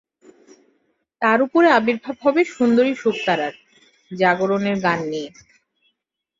তার উপরে আবির্ভাব হবে সুন্দরী শুকতারার, জাগরণের গান নিয়ে।